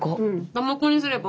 だまこにすれば？